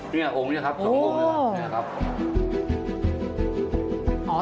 นี่องค์นี้ครับ๒องค์นี้ครับนี่ครับ